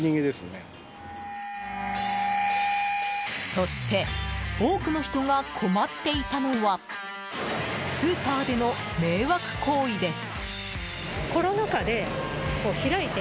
そして、多くの人が困っていたのはスーパーでの迷惑行為です。